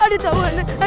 aduh tawar tawar